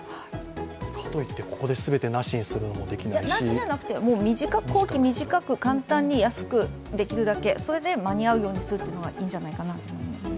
かといって、ここで全てをなしにすることもできないしなしじゃなくて工期短く、簡単に安く、できるだけ、それで間に合うようにするというのがいいんじゃないかなと思います。